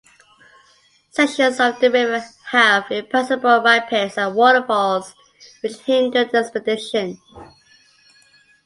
Sections of the river have impassable rapids and waterfalls, which hindered the expedition.